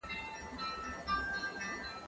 زه اجازه لرم چي سپينکۍ پرېولم؟!